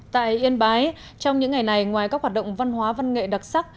tại yên bái trong những ngày này ngoài các hoạt động văn hóa văn nghệ đặc sắc